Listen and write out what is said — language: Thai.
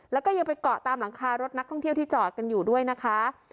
แล้วก็ยังไปเกาะตามหลังคารถนักท่องเที่ยวที่จอดกันอยู่ด้วยนะคะ